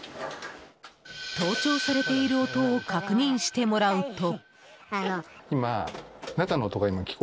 盗聴されている音を確認してもらうと。